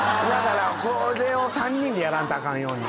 これを３人でやらんとあかんように。